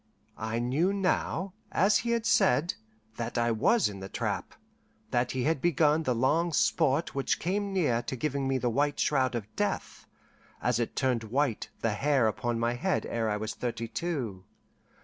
I knew now, as he had said, that I was in the trap; that he had begun the long sport which came near to giving me the white shroud of death, as it turned white the hair upon my head ere I was thirty two.